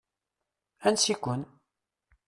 Ansi-ken?